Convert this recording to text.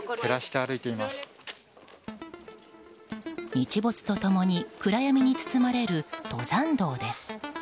日没と共に暗闇に包まれる登山道です。